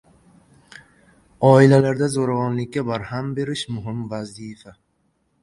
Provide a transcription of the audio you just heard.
Oilalarda zo‘ravonlikka barham berish muhim vazifa